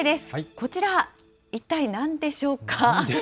こちら、いったいなんでしょうか。